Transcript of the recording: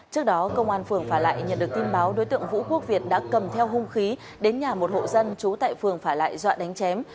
trước đó công an phường phả lại nhận được tin báo đối tượng vũ quốc việt đã cầm theo hung khí đến nhà một hộ dân trú tại phường phả lại dọa đánh chém